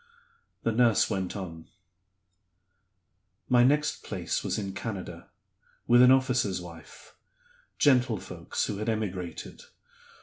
The nurse went on: "My next place was in Canada, with an officer's wife: gentlefolks who had emigrated.